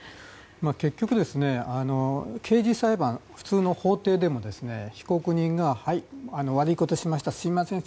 結局ですね刑事裁判、普通の法廷でも被告人がはい、悪いことしましたすみません